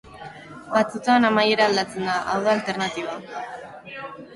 Batzuetan amaiera aldatzen da, hau da alternatiba.